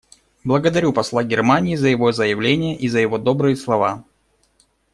Благодарю посла Германии за его заявление и за его добрые слова.